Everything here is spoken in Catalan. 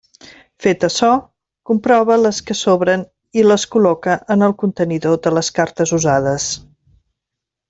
Fet açò, comprova les que sobren i les col·loca en el contenidor de les cartes usades.